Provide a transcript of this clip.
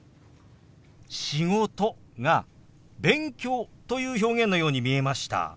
「仕事」が「勉強」という表現のように見えました。